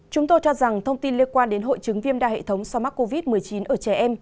chúng tôi cho rằng thông tin liên quan đến hội chứng viêm đa hệ thống sau mắc covid một mươi chín ở trẻ em